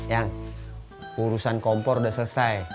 yang urusan kompor sudah selesai